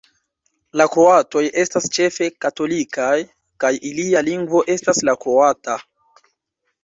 La kroatoj estas ĉefe katolikaj, kaj ilia lingvo estas la kroata.